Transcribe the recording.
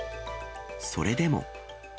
それでも。